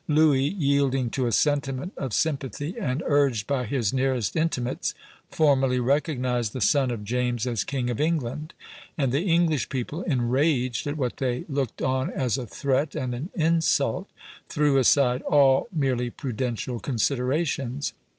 Louis, yielding to a sentiment of sympathy and urged by his nearest intimates, formally recognized the son of James as king of England; and the English people, enraged at what they looked on as a threat and an insult, threw aside all merely prudential considerations.